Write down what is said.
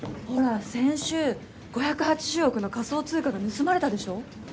ほら先週５８０億の仮想通貨が盗まれたでしょ？